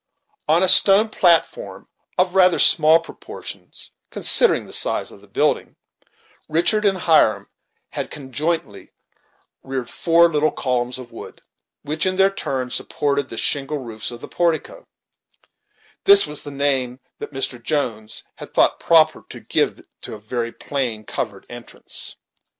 On a stone platform, of rather small proportions, considering the size of the building, Richard and Hiram had, conjointly, reared four little columns of wood, which in their turn supported the shingled roofs of the portico this was the name that Mr. Jones had thought proper to give to a very plain, covered entrance.